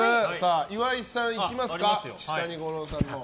岩井さん、いきますか。